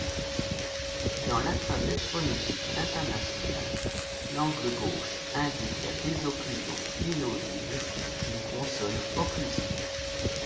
Dans l’alphabet phonétique international, l’angle gauche indique la désocclusion inaudible d’une consonne occlusive.